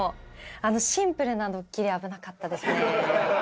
あのシンプルなドッキリ危なかったですね。